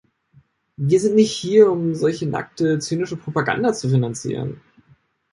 Wir sind nicht hier, um solche nackte, zynische Propaganda zu finanzieren.